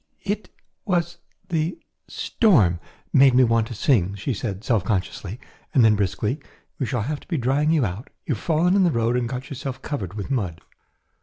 "It was the storm made me want to sing," she said self consciously, and then briskly, "we shall have to be drying you out; you have fallen in the road and got yourself covered with mud."